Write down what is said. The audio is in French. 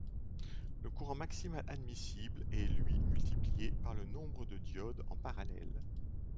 Le courant maximal admissible est lui multiplié par le nombre de diodes en parallèle.